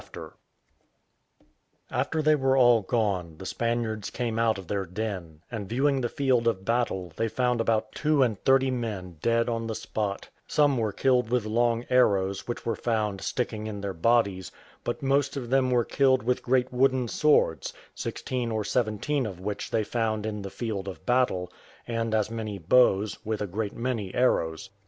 After they were all gone, the Spaniards came out of their den, and viewing the field of battle, they found about two and thirty men dead on the spot; some were killed with long arrows, which were found sticking in their bodies; but most of them were killed with great wooden swords, sixteen or seventeen of which they found in the field of battle, and as many bows, with a great many arrows.